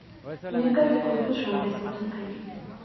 نیکه د کلتور ژوندي ساتونکی وي.